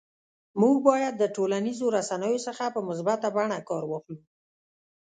موږ باید د ټولنیزو رسنیو څخه په مثبته بڼه کار واخلو